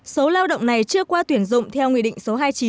số lao động này chưa qua tuyển dụng theo nghị định số hai mươi chín